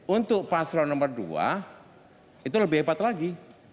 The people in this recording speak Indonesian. untuk paslon nomor dua itu lebih hebat lagi